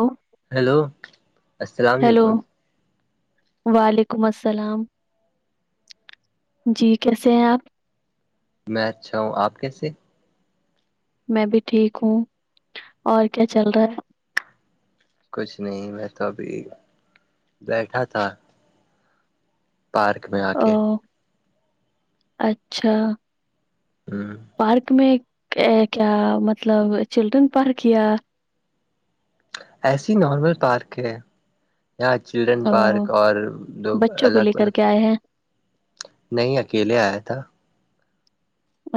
hello hello السلام hello علیکم وعلیکم السلام جی کیسے ہیں آپ میں اچھا ہوں آپ کیسے میں بھی ٹھیک ہوں اور کیا چل رہا ہے کچھ نہیں میں تو ابھی بیٹھا تھا پارک میں آ ہے کے او اچھا ہ پارک میں ا کیا مطلب چلڈرن پارک یا ایسی نارمل پارک ہے یہاں چلڈرن پارک اوہ، اور دو بچوں کو الگ لے کر الگ کے آئے ہیں نہیں اکیلے آیا تھا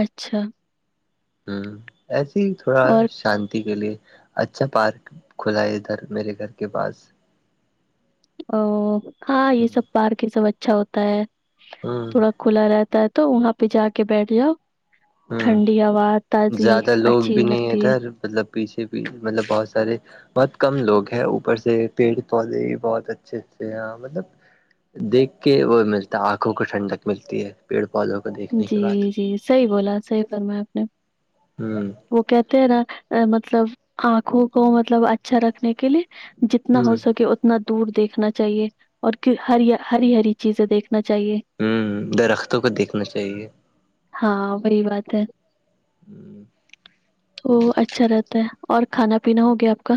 اچھا ہوں ایسے ہی تھوڑا اور شانتی کے لیے اچھا پارک کھلا ہے ادھر میرے گھر کے پاس او ہاں یہ ہ سب پارک یہ سب اچھا ہوتا ہے ہ تھوڑا کھلا رہتا ہے تو وہاں پہ جا کے بیٹھ جاؤ ہ ٹھنڈی ہوا تازی زیادہ لوگ اچھی بھی نہیں لگتی ہے ادھر مطلب پیچھے پ مطلب بہت سارے بہت کم لوگ ہیں اوپر سے پیڑ پودے بہت اچھے اھے مطلب دیکھ کے وہ ملتا ہے آنکھوں کو ٹھنڈک ملتی ہے پیڑ پودوں کو دیکھنے جی کے بعد جی صحیح بولا صحیح فرما آپ نے ہوں وہ کہتے ہیں نا مطلب آنکھوں کو مطلب اچھا رکھنے کے لیے جتنا ہو ہ سکے اتنا دور دیکھنا چاہیے اور ہ ہری ہری چیزیں دیکھنا چاہیے ہوں درختوں کو دیکھنا چاہیے ہاں بی بات ہے ہوں تو اچھا رہتا ہے اور کھانا پینا ہو گیا آپ کا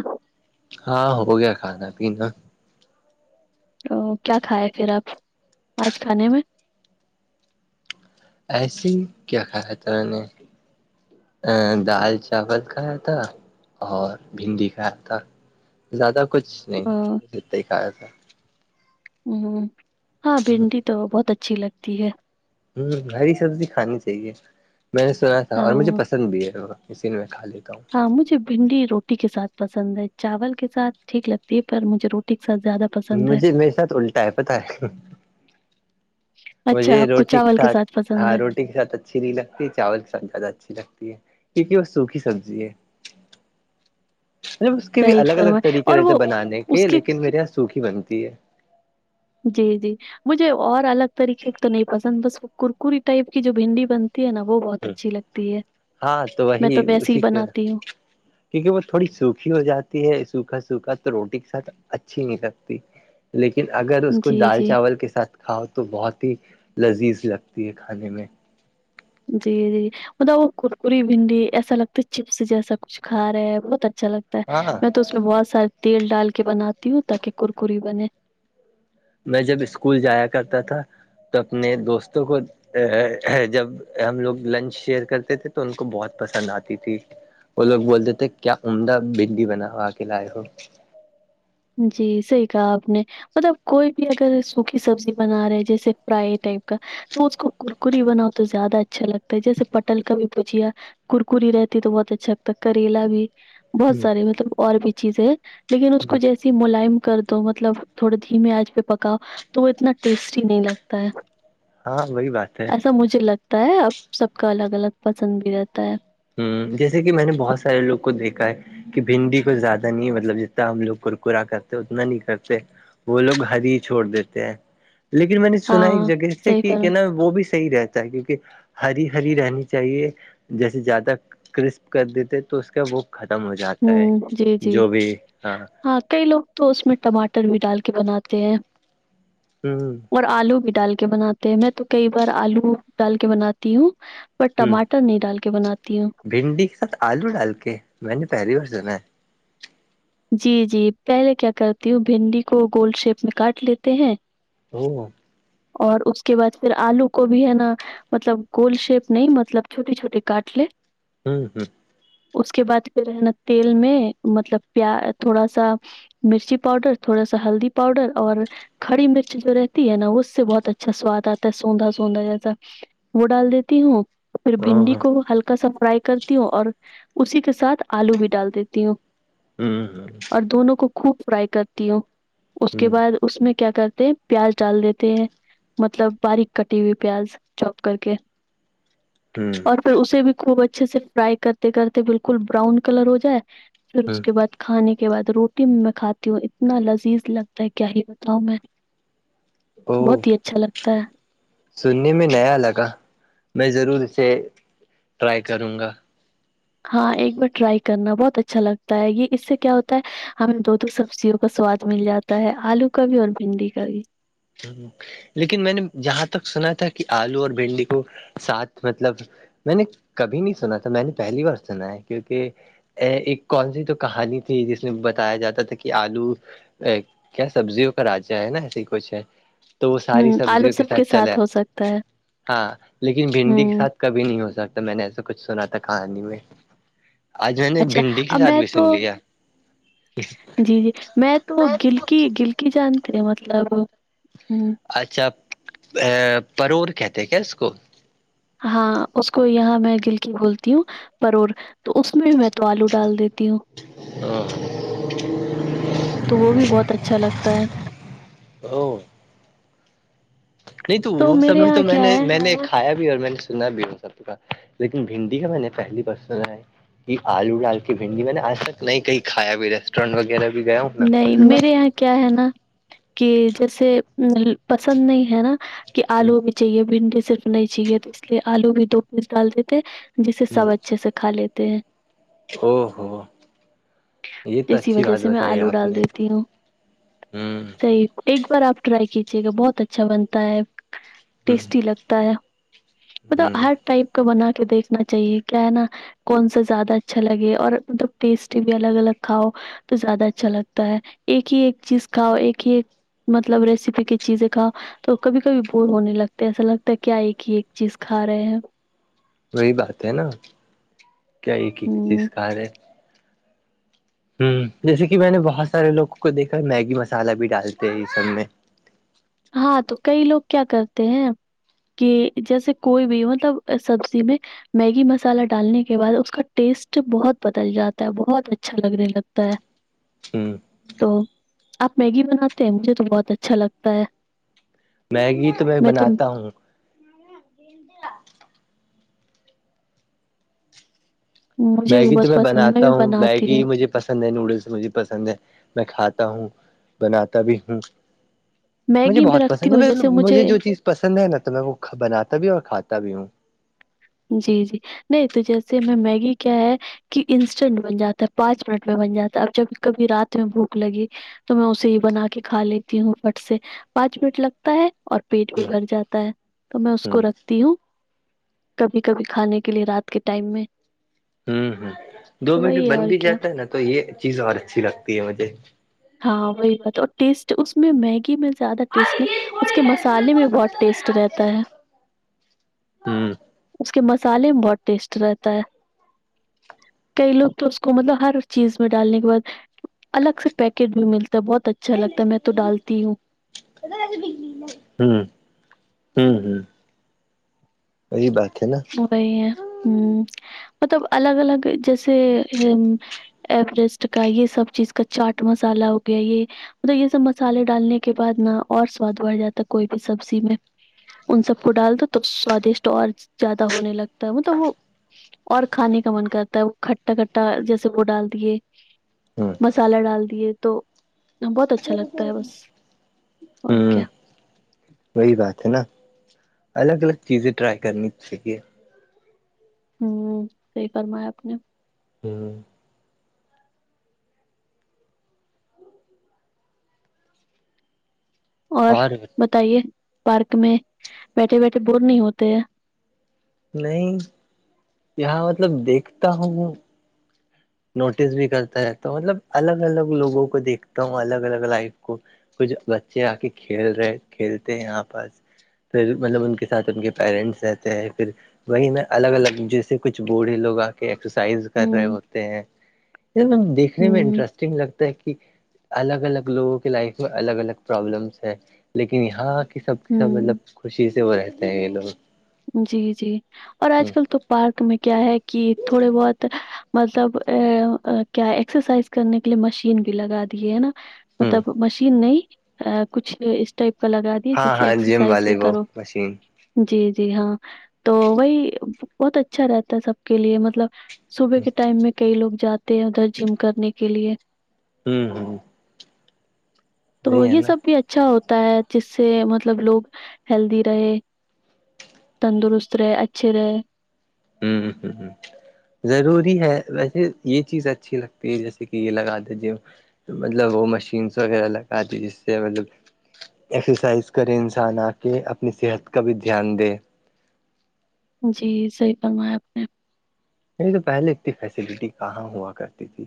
ہاں ہو گیا کھانا پیینا او کیا کھائے پھر آپ آج کھانے میں ایسے ہی کیا کہا تھا نے دال چاول کھایا تھا اور بھنڈی کھایا تھا زیادہ کچھ نہیں دکھایا تھا ہ ہاں بھنڈی تو بہت اچھی لگتی ہے ہ ہری سبزی کھانی چاہیے میں نے سنا تھا ہاں اور مجھے پسند بھی ہے وہ کھا لیتا ہوں ہاں مجھے بھنڈی روٹی کے ساتھ پسند ہے چاول کے ساتھ ٹھیک لگتی ہے پر مجھے روٹی ٹسا مجھے میرے ساتھ الٹا ہے پتا ہے مجھے اچھا آپ کو روٹی کے چاول ساتھ پسند ہے ہاں روٹی کے ساتھ اچھی نہیں لگتی ہے چاول کے ساتھ زیادہ اچھی لگتی ہے کیونکہ وہ سوکھی سبزی ہے [inaudible] مطلب اس کے بھی صحیح الگ الگ فرمایا طریقے اور رہتے وہ بنانے کے لیکن میرے یہاں سوکھی بنتی ہے جی جی مجھے اور الگ طریقے تو نہیں پسند بس وہ کرکریی ٹائپ کی جو بھنڈی بنتی نا وہ بہت اچھی لگتی ہے ہاں میں تو وہی ویسے ہی اسی کے بناتی ہوں کیونکہ وہ تھوڑی سوکھی ہو جاتی ہے سوکھا سوکھا تو روٹی کے ساتھ اچھی نہیں لگتی لیکن اگر اس کو جی دال جی چاول کے ساتھ کھاؤ تو بہت ہی لذیذ لگتی ہے کھانے میں جی جی مطلب وہ کرکری بھنڈی ایسا لگتا ہے چپس جیسا کچھ کھاے بہت اچھا لگتا ہاں میں تو اس میں بہت سارے تیل ڈال کے بناتی ہوں تاکہ کرکری بنے میں جب اسکول جایا کرتا تھا تو اپنے دوستوں کو جب ہم لوگ لنچ شیئر کرتے تھے تو ان کو بہت پسند آتی تھی وہ لوگ بولتے تھے کیا عمدہ بنڈی بنا ہو آکے لائے ہو جی صحیح کہا آپ نے مطلب کوئی بھی اگر سوکھی سبزی بنا رہے جیسے فرائی ٹائپ کا تو اس کو کرکری بناؤ تو زیادہ اچھا لگتا ہے جیسے پٹل کا بھی بجیا ککری رہتی تو بہت اچھا لگتا ہے کریلا بھی بہت سارے مطلب اور بھی چیزیں ہے لیکن اس کو جیسے ملائم کر دو مطلب تھوڑے دھیمیے آنچ پہ پکاؤ تو وہ اتنا ٹیسٹی نہیں لگتا ہے ہاں وہی بات ہے ایسا مجھے لگتا ہے اب سب کا الگ الگ پسند بھی رہتا ہے ہ جیسے کہ میں نے بہت سارے لوگ کو دیکھا ہے کہ بھنڈی کو زیادہ نہیں مطلب جتنا ہم لوگ کرکا کرتے اتنا نہیں کرتے وہ لوگ ہری ہی چھوڑ دیتے ہیں لیکن میں نے سنا ایک ہاں، جگہ سے صحیح کہ فرما کیا ن وہ بھی صحی رہتا ہے کیونکہ ہری ہری رہنی چاہیے جیسے زدہ تک کرسپ کر دیتے تو اس کا وہ ختم ہو جاتا ہے ہوں، جی، جی، جو بھی ہاں ہاں کئی لوگ تو اس میں ٹماٹر بھی ڈال کے بناتے ہیں ہوں ہ اور آلو بھی ڈال کے بناتے ہیں میں تو کئی بار آلو ڈال کے بناتی ہوں ب ہ ٹماٹر نہیں ڈال کے بناتی ہوں بھنڈی کے ساتھ آلو ڈال کے میں نے پہلی بار سنا ہے جی جی پہلے کیا کرتی ہوں بھنڈی کو گولڈ شیپ میں کاٹ لیتے ہیں ا اور اس کے بعد پھر آلو کو بھی ہے نا مطلب گول شیپ نہیں مطلب چھوٹے چھوٹے کاٹل ہوں ہوں اس کے بعد پھر ہے نا تیل میں مطلب پ تھوڑا سا مرچی پاؤڈر تھوڑا سا ہلدی پاؤڈر اور کھڑی مرچ جو رہتی ہے نا اس سے بہت اچھا سواد آتا ہے سوندا سوندا جیسا وہ ڈال دیتی ہوں پھر ہ بھنڈی ہ کو ہلکا سا فرائی کرتی ہوں اور اسی کے ساتھ آلو بھی ڈال دیتی ہوں ہاں ہاں اور دونوں کو خوب فرائی کرتی ہوں اس کے ہ بعد اس میں کیا کرتے پیاز ڈال دیتے ہیں مطلب باریک کٹی ہوئی پیاز چوپ کر کے [inaudible] ہوں اور پھر اسے بھی خوب اچھے سے فرائی کرتے کرتے بالکل براؤن کلر ہو جائے پھر ہ اس کے بعد کھانے کے بعد روٹی میں کھاتی ہوں اتنا لذیذ لگتا ہے کیا ہی بتاؤ میں بہت او ہی اچھا لگتا ہے سننے میں نیا لگا میں ضرور اسے ٹرائی کروں گا ہاں ایک بار ٹرائی کرنا بہت اچھا لگتا ہے یہ اس سے کیا ہوتا ہے ہمیں دو دو سبزیوں کا سواد مل جاتا ہے آلو کا بھی اور بھنڈی کا بھی لیکن میں نے جہاں تک سنا تھا کہ آلو اور بھنڈی کو ساتھ مطلب میں نے کبھی نہیں سنا تھا میں نے پہلی بار سنا ہے کیونکہ ا ایک کون سی تو کہانی تھی جس میں بتایا جاتا تھا کہ آلو ا کیا سبزیوں کا راجا ہے نا ایسے ہی کچھ ہے تو وہ ساری ہوں آلو سبزیوں کے سب ساتھ چلے آ ہو سکتا ہے ہاں لیکن بھنڈی کے ہوں ساتھ کبھی نہیں ہو سکتا میں نے ایسا کچھ سنا تھا کہانی میں آج میں نے اچھا بھنڈی کے اب ساتھ میں بھی تو سن لیا جی جی میں تو گل کی گلکی جانتے ہیںے مطلب ہ اچھا پرور کہتے کیا اس کو ہاں اس کو یہاں میں دلک بولتی ہوں پرور تو اس میں بھی میں تو آلو ڈال دیتی ہوں ہ تو وہ بھی بہت اچھا لگتا ہے ا نہیں تو وہ سب میرے میں تو یہاں میں کیا ہے نے نے کھیا بھی اور میں نے سنا بھی سب کا لیکن بھنڈی کا میں نے پہلی بار سنا ہے یہ آلو ڈال کی بھنڈی میں نے آج تک نہیں کہیں کھیا بھی ریسٹورینٹ وغیرہ بھی گیا ہوں نہیں میرے نا یہاں کیا ہے نا کہ جیسے پسند نہیں ہے نا کہ آلو چاہیے بھنڈی صرف نہیں چاہیے تو اس لیے آلو بھی دو پیس ڈال دیتے جسے ہ سب اچھے سے خالےتے او ہو یہ تو اسی اچھی وجہ بات سے میں ب آلو آپ ڈال نے دیتی ہوں ہوں ایک بار آپ ٹرائی کیجیے گا بہت اچھا بنتا ہے ٹیسٹی لگتا ہے مطلب ہ ہر ٹائپ کا بنا کے دیکھنا چاہیے کیا ہے نا کون سا زیادہ اچھا لگے اور مطلب ٹیسٹی بھی الگ الگ کھاؤ تو زیادہ اچھا لگتا ہے ایک ہی ایک چیز کھاؤ ایک ہی ایک مطلب ریسیپی کی چیزیں کا تو کبھی کبھی بور ہونے لگتے ایسا لگتا ہے کیا ایک ہی ایک چیز کھا رہے ہیں وہی بات ہے نا کیا ایک ایک ہوں، چیز کا ہے ہ جیسے کہ میں نے بہت سارے لوگوں کو دیکھا میگی مسالہ بھی ڈالتے ہیں یہ سب میں ہاں تو کئی لوگ کیا کرتے ہیں کہ جیسے کوئی بھی مطلب سبزی میں میگی مسالہ ڈالنے کے بعد اس کا ٹیسٹ بہت بدل جاتا ہے بہت اچھا لگنے لگتا ہے ہوں تو آپ میگی بناتے ہیں مجھے تو بہت اچھا لگتا ہے میگی تو میں بناتا ہوں مجھے بھی میگی تو بہت میں پسند بناتا بھی ہوں بناتی میگی ہوں مجھے پسند ہے نوڈلس مجھے پسند ہے میں کھاتا ہوں بناتا بھی ہوں مجھے میگی بہت رکھتی پسند ہے ہوں میں جیسے مجھے جو چیز پسند ہے نا تو میں وہ بناتا بھی ہ اور کھاتا بھی ہوں جی جی نہیں تو جیسے ہمیں میگی کیا ہے کہ انسٹینٹ بن جاتا ہے پانچ منٹ میں بن جاتا ہے اب جب کبھی رات میں بھوک لگی تو میں اسے ہی بنا کے کھا لیتی ہوں پٹ سے پانچ منٹ لگ تا ہے اور پیٹ بھی ہ بھر جاتا ہے تو میں اس ہ کو رکھتی ہوں کبھی کبھی کھانے کے لیے رات کے ٹائم میں ہوں ہوں دو تو منٹ وہی ہے بن اور بھی کیا جاتا ہے نا تو یہ چیز اور اچھی لگتی ہے مجھے ہاں وہی بات اور ٹیسٹ اس میں میگی میں زیادہ ٹیسٹ نہیں اس کے مسالے میں بہت ٹیسٹ رہتا ہے ہوں اس کے مسالے میں بہت ٹیسٹ رہتا ہے کئی لوگ تو اس کو مطلب ہر چیز میں ڈالنے کے بعد الگ سے پیکٹ بھی ملتا ہے بہت اچھا لگتا ہے میں تو ڈالتی ہوں ہ ہوں ہ وہی بات ہے نا وہی ہے ہ مطلب الگ الگ جیسے ایورورسٹ کا یہ سب چیز کا چاٹ مسالہ ہو گیا یہ مطب یہ سب مسالے ڈالنے کے بعد نہ اور سواد بڑھ جاتا کوئی بھی سبزی میں ان سب کو ڈال دو تو سوادشٹ اور زیادہ ہونے لگتا ہے مطلب وہ اور کھانے کا من کرتا ہے وہ کھٹا کھٹا جیسے وہ ڈال دیے ہ مسالہ ڈال دیے تو بہت اچھا لگتا ہے بس اور کیا ہوں وہی بات ہے نا الگ الگ چیزیں ٹرائی کرنی چاہیے ہوں صحی فرما ہے آپ نے ہوں ہ اور بتائیے پارک میں بیٹھے بیٹھے بور نہیں ہوتے ہیں نہیں یہاں مطلب دیکھتا ہوں نوٹس بھی کرتا ہے تو مطلب الگ الگ لوگوں کو دیکھتا ہوں الگ الگ لائف کو کچھ بچے آ کے کھیل رہے کھیلتے ہیں یہاں پر پھر مطلب ان کے ساتھ ان کے پیرنٹس رہتے ہیں پھر وہی میں الگ الگ جیسے کچھ بوڑھے لوگ آ ایکسرسائز کر رہے ہوں ہوتے ہیں دیکھنے میں ہوں انٹرسٹنگ لگتا ہے کہ الگ الگ لوگوں کی لائف میں الگ الگ پرابلمس ہے لیکن یہاں کی سب کے سب مطلب ہوں خوشی سے وہ رہتے ہیں یہ لوگ جی جی اور ہ آج کل تو پارک میں کیا ہے کہ تھوڑے بہت مطلب ا کیا ایکسرسائز کرنے کے لیے مشین بھی لگا دی ہے ہے نا ہ مطلب مشین نہیں کچھ اس ٹائپ کا لگا جس ہاں سے ہاں جم ایکسرسائز بھی والے وہ کرو مشین جی جی ہاں تو وہی بہت اچھا رہتا ہے سب کے لیے مطلب صبح کے ٹائم میں کئی لوگ جاتے ہیں ادھر جم کرنے کے لیے ہوں تو ہے یہ نا سب بھی اچھا ہوتا ہے جس سے مطلب لوگ ہیلدی رہے تندرست رہے اچھے رہے ہوں ہ ہ ضروری ہے ویسے یہ چیز اچھی لگتی ہے جیسے کہ یہ لگا دیجے مطلب وہ مشینس وغیرہ لگ پاتی جس سے مطلب ایکسرسائز کرے انسان آ کے اپنی صحت کا بھی دھیان دے جی صحیح فرمایا آپ نے نہیں تو پہلے انی فیسلٹی کہاں ہوا کرتی تھی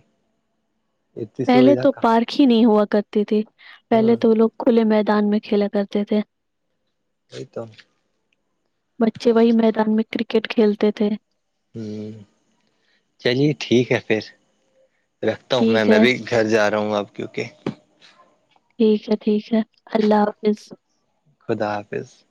اتنی پہلے سویدھا تو پارک ہی نہیں ہوا کرتے تھے کہاں پہلے ہ تو لوگ کھلے میدان میں کھیلا کرتے تھے ا توم بچے وہی میدان میں کرکٹ کھیلتے تھے ہوں چلیے ٹھیک ہے پھر رکھتا ہوں میں ٹھیک میں ہے، بھی گھر جا رہا ہوں اب کیونکہ ٹھیک ہے ٹھیک ہے اللہ حافظ خدا حافظ